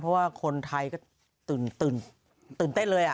เพราะว่าคนไทยก็ตื่นเต้นเลย